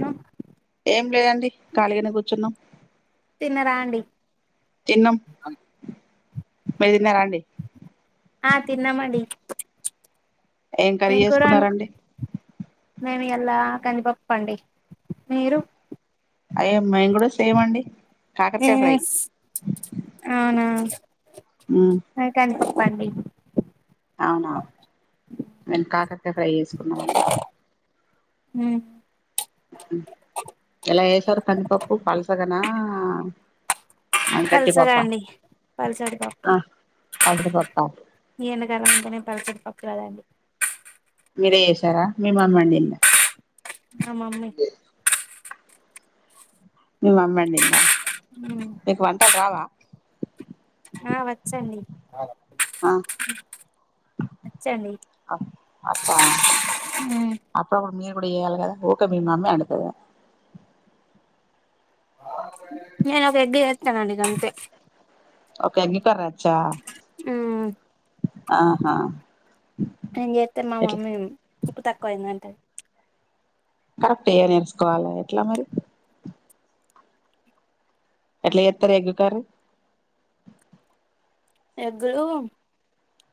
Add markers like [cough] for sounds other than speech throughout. ను ఏంలెదండి ఖాళిగనే కూర్చున్నం తిన్నరా అండి మీరు తిన్నరా అండి ఆ తిన్నామండి కర్రీ ఏం కూర అండుకు చేసుకున్నారండి ఇయ్యాల్లా కందిపప్పండి మీరు అయ్యె మేంగుడ సేమ్ అండి కాకరకాయ ఫ్రై ఏస్ అవునా ఉమ్ అయితాంది పండి అవునా మేం కాకర్ కాయ్ ఫ్రై చేసుకున్నమండి మ్హ్ హు ఎలా ఏసారు కందిపప్పు పలసగనా గట్టి పప్పా పల్సగాండి పల్సటి పప్పు ఆ పలస పప్పా ఈ ఎండకాలం అంటనే పలసటి తప్పు కదాండి మీరే చేసారా మీ మమ్మొండిందా మా మమ్మీ మీ మమ్మొండిందా ఊ రావా ఆ వచ్చండి వచ్చండి అప్ అబ్బా మ్మ్ అప్పుడప్పుడు మీరు కూడ చేయాలగదా ఊక మీమమ్మే అండుతదా నేనొక ఎగ్గు చేస్తనండి గంతే రచ్చా మ్మ్ ఆహా నేన్ జేత్తె మా ఎట్లా మమ్మీ ఉప్పు తక్కువయిందంటది కరెక్ట్ గ నేర్చుకోవాలె ఎట్ల మరి ఎట్ల చేత్తర్ ఎగ్గు కరి ఎగ్గులూ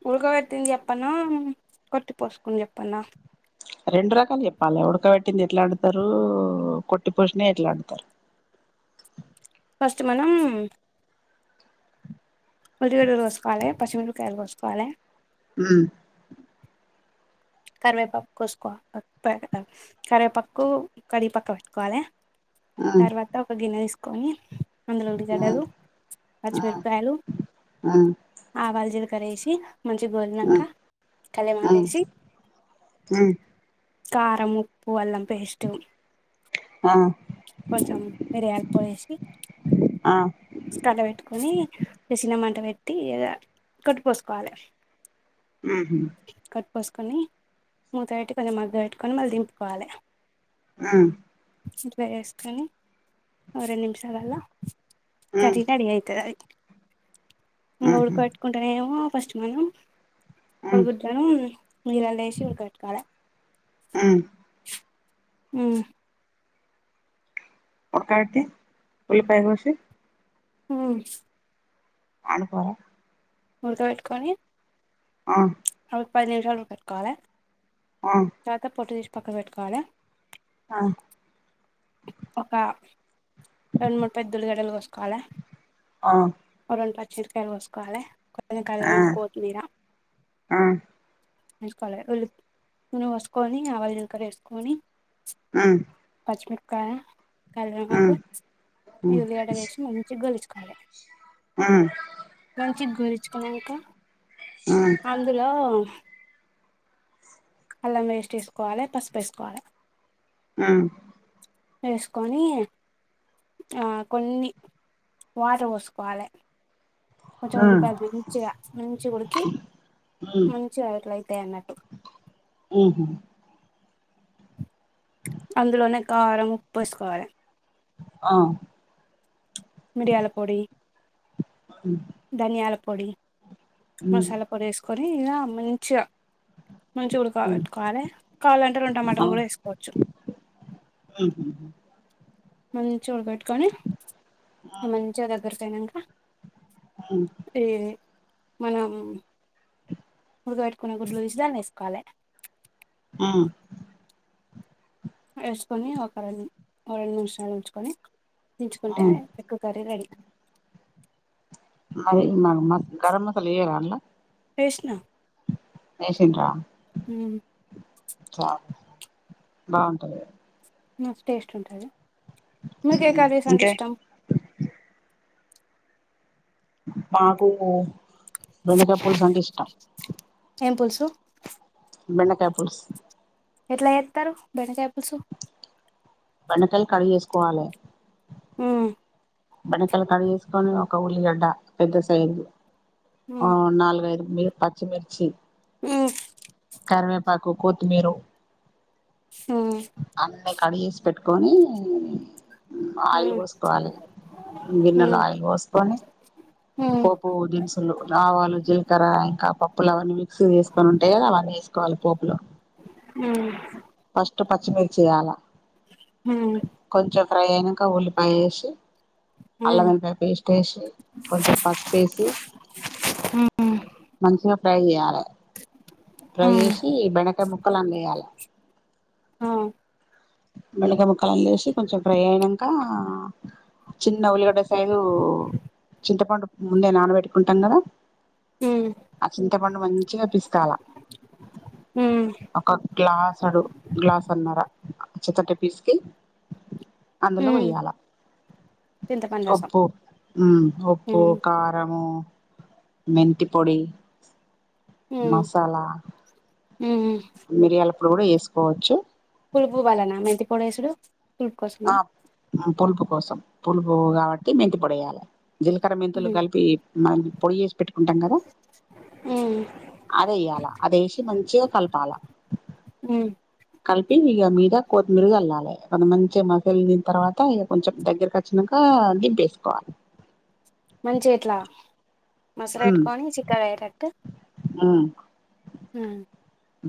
ఉడక బెట్టింది చెప్పనా కొట్టి పోసుకున్ జెప్పనా రెండు రకాలు చెప్పాలె ఉడకబెట్టింది ఎట్లొండుతరూ కొట్టి పోసినయెట్లొండతరు ఫస్ట్ మనం ఉల్లిగడ కోస్కోవాలె పశిమిరకాయలు కోస్కోవాలే ఆ కరివేపాక్ కోసుకోవా అ కోయాలె స్ కరివేపక్కూ కడిగి పక్క పెట్టుకోవాలే తర్వాత ఒక గిన్నె తీసుకోని అందులో ఉల్లిగడ్డలు పచ్చిమిరపకాయలు ఆవాల్ జిల్ కరేసి మంచిగ్గోల్నంక కలెమాకేసి నన్ కారం ఉప్పు అల్లంపేస్టు కొంచెం మీరియాళ పొడేసి కల పెట్టుకొని ఇగ సిన్న మంట పెట్టి ఇగ కొట్టి పోసుకోవాలె ఊహు పోసుకొని మూత పెట్టి కొంచెం మగ్గ పెట్టుకొని మళ్ దింపుకోవాలె ఆ ఇట్ల చెస్కొని ఓ రెంన్నిమిషాలల్ల కరీ రడీ అయితదది ఇంగ ఉడకబెట్టుకుంటనేమో ఫస్ట్ మనం కొడుగుడ్లను నీళ్లల్ల ఏసీ ఉడకబెట్టుకోవాలే ఆ ఊ ఒక్కటి ఉల్లిపాయ కోసి ఉ అను పో ఉడక పెట్టుకొని ఆ పది నిమిషాలు ఉడాక పెట్టుకోవాలి. తర్వాత పొట్టు తీసి పక్కన పెట్టుకోవాలె ఒక రెండ్ మూడ్ పెద్దులిగడ్డలు కోసుకోవాలె రెండు పచ్ ఉసిరి కాయలు కోసుకోవాలే కొన్నిం కలుఏమో కోతీ మీరా వేసుకోవాలిళ్ళు ను వసుకొని ఆ వాళ ఇంకర వేసుకొని ఆ పచ్చమిరక్కయ కళ నాకు యూవిడ వేసి మంచి గలుచుకోవాలి. మంచిగ గోరించుకున్నాక ఆ ఇందులో అల్లం వేస్ట్ వేసుకోవాలి పసుపు వేసుకోవాలి. ఆ ఏసుకోని ఆ కొన్ని వాటర్ పోసుకోవాలె కొంచంఉల్లిపాయలు మంచిగ మంచిగ ఉడికి మంచిగ అట్లైతై అన్నట్టు ఉహు అందులోనే కారం ఉప్పు వేసుకోవాలి ఆ మిడియాల పొడి, ధనియాల పొడి మసాలా పొడి వేసుకొని ఇలా మంచిగా మంచి ఉడుక పెట్టుకోవాలె. కావాలంటే రెండు టమాటాలు కూడా వేసుకోవచ్చు. ఉహు మంచిగ ఉడబెట్టుకొని మంచిగ దగ్గరకి అయినంక ఈ మనం పెట్టుకునే గుడ్లు చూసి దాన్ని వేసుకోవాలె ఆ వేసుకొని ఒక రెండు రెండు నిమిషాలు ఉంచుకొని దించుకుంటే ఉమ్ ఎగ్ కర్రీ రెడీ మరి మ మ గరం మసాలా ఏయ రా అండి ఏసిన ఏసిండ్రా చాల్ బాగుంటది టేస్ట్ ఉంటది. మీక ఏ కర్రీస్ అంటే ఇంకే ఇష్టం. మాకు బండకాయ పులుసు అంటే ఇష్టం ఏం పుల్సు బెండకాయ పులుస్ ఎట్లా చేత్తరు బెండకాయపుల్సు బెండకాలు కడిగేసుకోవాలె ఊ బెండకాయలు కడిగేసుకొని ఒక ఉల్లిగడ్డ పెద్ద సైజు ఓ నాలుగైదు మీరు పచ్చిమిర్చి ఊ కరివేపాకు కొత్తిమీరు అన్నీ కడిగేసి పెట్టుకొని ఆయిల్ పోసుకోవాలే గిన్నెలో ఆయిల్ పోసుకొని అ పోప్ దినుసులు ఆవాలు జీలకర్ర ఇంకా పప్పులు అవన్నీ మిక్సీ తీసుకొని ఉంటాయి అవన్నీ వేసుకో పోపులో ఉ ఫస్ట్ పచ్చిమిర్చయాల కొంచెం ఫ్రై అయినాక ఉల్లిపాయ వేసి అల్లం వెల్లిపాయపేస్ట్ వేసి కొంచెం పసుపు వేసి మంచిగా ఫ్రై చేయాలె ఫ్రై చేసి బెండకాయ ముక్కలు అందులో వేయాలె మెల్లగా ముక్కలని వేసి కొంచెం ఫ్రై అయ్యాక చిన్న ఉల్లిగడ్డ సైజు చింతపండు ముందే నానబెట్టుకుంటాం కదా ఆ చింతపండు మంచిగా పిసుకాల ఒక గ్లాసడు గ్లాసడున్నారా వచ్చేతట్టు పీసికి అందులో పోయ్యాల చింతపండు రసం ఉ ఉప్పు కారము మెంతి పొడి మసాలా ఉమ్ ఉం మిరియాల పొడి కూడా వేసుకోవచ్చు. పులుపువాలనా మెంతి పొడేసుడు ఆ పులుపు కోసం పులుపు కాబట్టి మెంతి పొడేయాలి. జీలకర్ర మెంతులు కలిపి మనము పొడి చేసి పెట్టుకుంటాం కదా అదయ్యాలా అదేశి మంచిగా కలపాల కలిపి ఇక మీద కొత్తిమీర చల్లాలే అది మంచిగా మసాలు తిన తర్వాత ఇక కొంచెం దగ్గరకి వచ్చినాక దింపేసుకోవాలి. మంచి ఇట్లా మసలు ఉమ్ పెట్టుకొని చిక్కగా అయేటట్టు ఉమ్ హ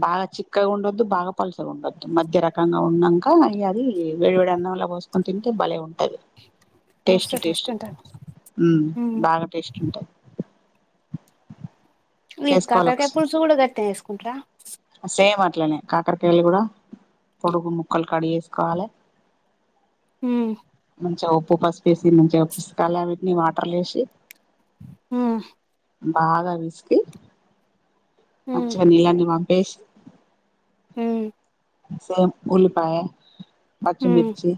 బాగా చిక్కగా ఉండద్దు బాగా పలసగా ఉండద్దు మధ్య రకంగా ఉన్నాక అవి అది వేడివేడి అన్న ల బోసు కొని తింటే బలే ఉంటు ది టేస్ట్ మస్తు టేస్ట్ ఉంటది బాగా టేస్ట్ ఉంటది. ఏ ఈ కాకరకాయ ఒకసారి పులుసుగూడ గట్నే చేసుకుంటార సేమ్ అట్లనే కాకరకాయలు కూడా పొడుగు ముక్కలు కడు చేసుకోవాలే ఉమ్ మంచిగా ఉప్పు పసుపేసి మంచిగా స్పా లనిటిని వాటర్ ల వేసి ఉం బాగా అవి మంచిగా నీళ్లన్నీ వంపేసి ఉమ్ సగం ఉల్లిపాయా పచ్చిమిర్చి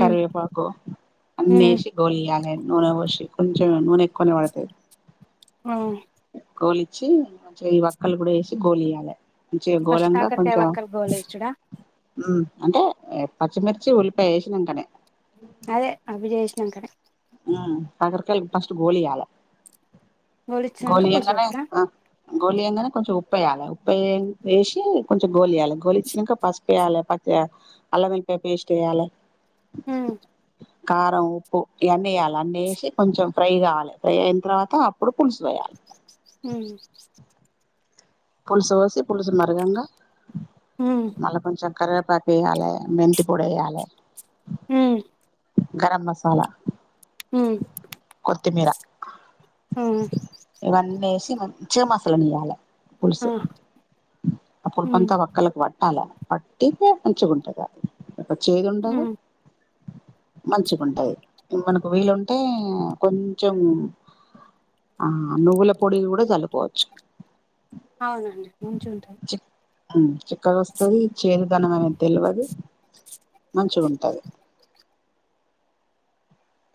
కరివేపాకు అన్న వేసి గోలియాలే నూనె పోశి కొంచెం నూనె ఎక్కువనే పడతది ఆ వచ్చి ఈ వక్కళ్లు కూడా వేసి గోలియ్యాలి. మంచిగా ఫస్ట్ ఘోళంగా కాకరకాయ కొంచెం వక్కలు గోలేసుడా అంటే పచ్చిమిరచి ఉలిపయ వేసినంకనే అదే అవిజేష్నాం కనే కాకరకాయలు ఫస్ట్ గోలి అల గోళ గోలిచ్చినంక పులుసు అంగానే పోసుడా గోలియంగానే కొంచెం ఉప్పేయాలి ఉప్పయి వేసి కొంచెం గోలియాలి గోలిచ్చినాక ఫస్ట్ ఉప్పెయ్యాలే పసుపేయాలే అల్లం ఎల్లిపాయ పేస్ట్యాయలే హ్మ్ కారం ఉప్పు ఇవన్నీ వేయాలి అన్నీ వేసి కొంచెం ఫ్రై కావాలి ఫ్రై అయిన తర్వాత అప్పుడు పులుసుపోయాలి హ్మ్ పులుసు పోసి పులుసు మరగంగా మళ్ళ కొంచెం కర్వేపాకు వెయ్యాలి మెంతి పొడి వేయ్యాలి హ్మ్ గరం మసాలా హ్మ్ కొత్తిమీర ఇవన్నీ వేసి మంచిగ మసలు నియ్యాలి పులుసు అప్పుడుపుంతా ఒక్కలకు ప అలా పట్టి మంచి కుంటగా ఇక చేదుండదు మంచిగుంటది మనకు వీలుంటే కొంచెం ఆ నువ్వుల పొడి కూడా జల్లుకోవచ్చు అవునండి ముంచు ఉంటాయి చిక్కగా వస్తది చేదుదనం ఏమి తెల్వదు మంచిగుంటది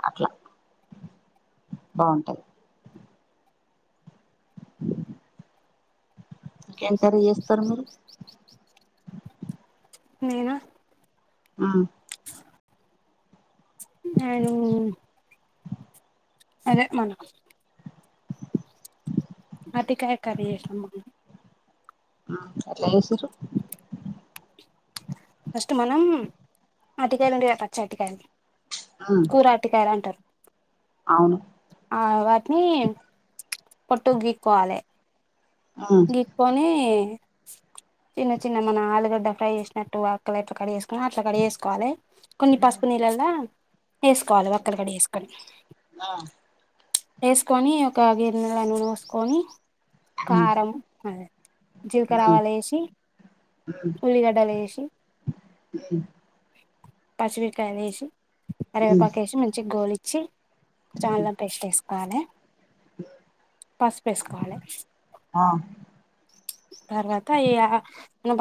అట్లా బాగుంటాది [inaudible] ఏం కర్రీ చేస్తారు మీరు నేనా హ్మ్ నేను అదే మన అరటికాయ కర్రీ చేసినం మ ఎట్లా చేసిన్రు ఫస్ట్ మనం అటికాయలు ఉంటాయి గా పచ్చి అటికాయలు మ్మ్ కూర అటికాయలు అంటారు అవును ఆ వాటిని పొట్టు గిక్కోవాలే మ్మ్ గీక్కోని చిన్న చిన్న మన ఆలుగడ్డ ఫ్రై చేసినట్టు ఆక్కలట్ కడి గేసుకు అట్లా కడిగేసుకోవాలి కొన్ని పసుపు నీళ్ళలా వేసుకోవాలి ఒక్కలు కడిగేసుకొని మ్మ్ వేసుకొని ఒక గిన్నెలా నూనె పోసుకొని కారం అదే మ్మ్ జీలకర్రవాలు ఎసి ఉల్లిగడ్డలు ఎసి ఉహు పచ్చిమిరపకాయలేసి మ్మ్ కరివేపాకు మ్మ్ వేసి మంచిగా గోలిచ్చి కొంచం అల్లం పేస్ట్ వేసుకోవాలి పసుపు వేసుకోవాలే ఆ తర్వాత ఈయ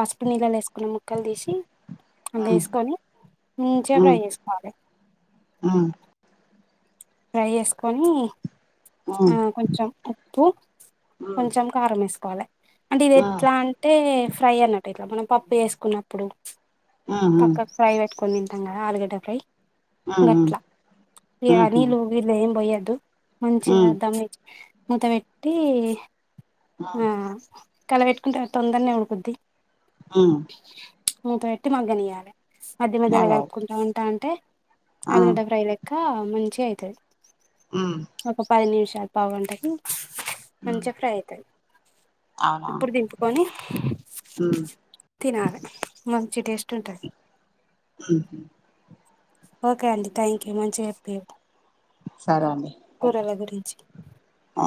పసుపు నీళ్ళలో వేసుకున్న ముక్కలు తీసి అందులో మ్మ్ వేసుకొని మంచిగా ఫ్రై చేసుకోవాలి హ్మ్ ఫ్రై చేసుకొని ఆ మ్మ్ కొంచెం ఉప్పు కొంచెం కారం వేసుకోవాలి అంటే ఇది ఎట్లా అంటే ఫ్రై అన్నట్టు ఇట్లా మనం పప్పు చేసుకున్నప్పుడు మ్మ్ పక్కకు ఫ్రై పెట్టుకుని తింటాం కదా ఆలుగడ్డ ఫ్రై గట్లా మ్మ్ మ్మ్ అనీళ్ళుగిళ్ళు ఏం పోయ్యోద్దు మంచిగా దానిమీద మూత పెట్టి ఆ కలావేట్టుకుంటే తొందరనే ఉడుకుద్ది హ్మ్ మూత వెట్టి మగ్గనియ్వాలి మధ్య మధ్యలో అదే అదే కలుపుకుంట ఉంటా ఉంటే ఆ అలుగడ్డ ఫ్రైలెక్క మంచిగా అయితది మ్మ్ ఒక పది నిమిషాలు పాగుంటకి మ్మ్ మంచిగా ఫ్రై అయితది అవునా ఇప్పుడు దింపుకొని తినాలె మంచి టేస్ట్ ఉంటది సరే ఓకే అండి థ్యాంక్ యూ మంచిగా చెప్పియు సరే అండి గురించి ఆ